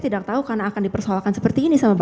tidak tahu karena akan dipersoalkan seperti ini sama bapak